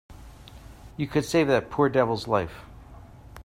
You could save that poor devil's life.